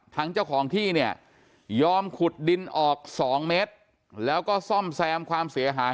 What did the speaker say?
ทั้งเจ้าของที่เนี่ยยอมขุดดินออก๒เมตรแล้วก็ซ่อมแซมความเสียหาย